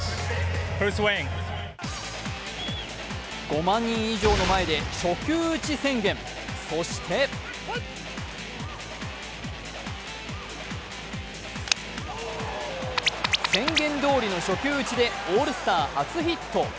５万人以上の前で、初球打ち宣言、そして宣言どおりの初球打ちでオールスター初ヒット。